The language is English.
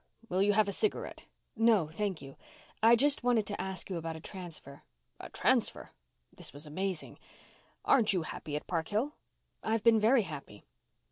Will you have a cigarette?" "No, thank you. I just wanted to ask you about a transfer." "A transfer!" This was amazing. "Aren't you happy at Park Hill?" "I've been very happy."